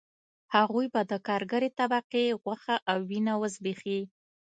هغوی به د کارګرې طبقې غوښه او وینه وزبېښي